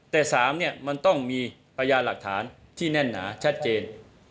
แต่๓เนี่ยมันต้องมีพยานหลักฐานที่แน่นหนาชัดเจน